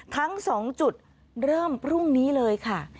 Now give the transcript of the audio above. ทั้ง๒จุดเริ่มพรุ่งนี้เลยค่ะ